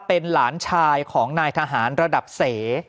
เป็นหลานชายของนายทหารระดับเส